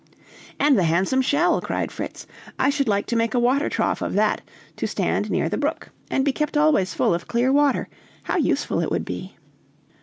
"And the handsome shell!" cried Fritz; "I should like to make a water trough of that, to stand near the brook, and be kept always full of clear water. How useful it would be!"